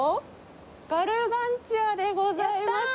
ガルガンチュワでございます！